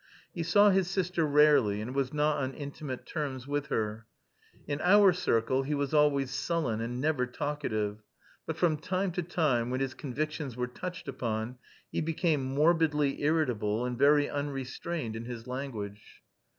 He saw his sister rarely and was not on intimate terms with her. In our circle he was always sullen, and never talkative; but from time to time, when his convictions were touched upon, he became morbidly irritable and very unrestrained in his language.